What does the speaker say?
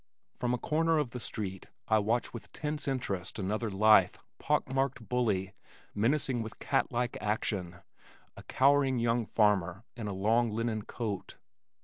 From a corner of the street I watch with tense interest another lithe, pock marked bully menacing with cat like action, a cowering young farmer in a long linen coat.